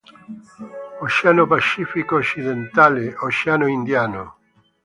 Oceano Pacifico occidentale, Oceano Indiano.